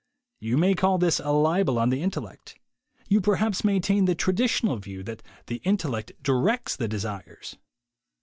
You may call this a libel on the intellect. You perhaps maintain the traditional view that the intellect directs the desires.